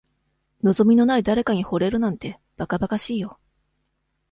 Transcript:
望みのない誰かに惚れるなんて、ばかばかしいよ。